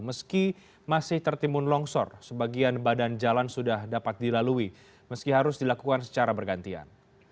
meski masih tertimbun longsor sebagian badan jalan sudah dapat dilalui meski harus dilakukan secara bergantian